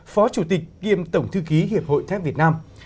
phó chủ tịch kiêm tổng thư ký hiệp hội thép việt nam